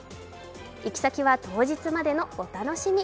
行き先は当日までのお楽しみ。